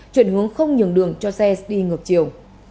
chuyển hướng không nhường đường cho xe đi ngược chiều